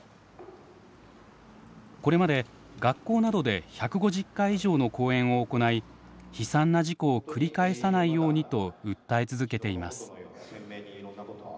これまで学校などで１５０回以上の講演を行い悲惨な事故を繰り返さないようにと訴え続けています。